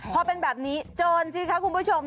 พอเป็นแบบนี้โจรสิคะคุณผู้ชม